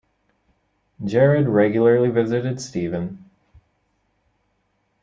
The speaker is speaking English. Gerard regularly visited Stephen.